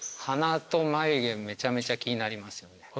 鼻と眉毛めちゃめちゃ気になりますよね。